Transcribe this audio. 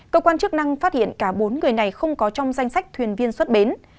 cơ quan chức năng phát hiện cả bốn người này không có trong danh sách thuyền viên xuất bến